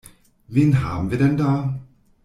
Wen haben wir denn da?